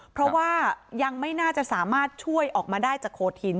เพราะว่ายังไม่น่าจะสามารถช่วยออกมาได้จากโคธิน